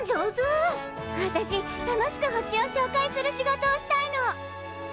私楽しく星をしょうかいする仕事をしたいの！